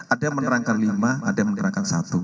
ada yang menerangkan lima ada yang menerangkan satu